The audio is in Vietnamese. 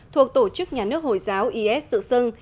thuộc tổ chức nhà nước hồi giáo is dự xưng